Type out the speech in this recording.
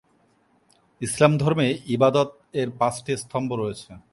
ইসলাম ধর্মে ইবাদত এর পাঁচটি স্তম্ভ রয়েছে।